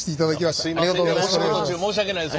すいませんねお仕事中申し訳ないです。